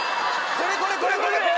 これこれこれこれ！